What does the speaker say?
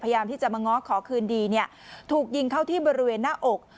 พยายามที่จะมาง้อขอคืนดีเนี่ยถูกยิงเข้าที่บริเวณหน้าอก